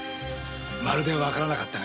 まるで分からなかった。